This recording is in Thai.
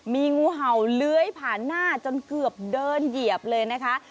มีงูเห่าเลื้อยผ่านหน้าจนเกือบเดินเหยียบเลยนะคะ